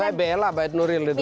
kok saya bela mbak ignorel itu